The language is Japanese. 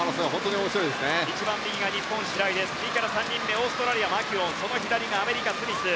右から３人目、オーストラリアマキュオンその隣がアメリカのスミス。